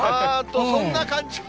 そんな感じも。